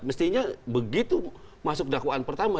mestinya begitu masuk dakwaan pertama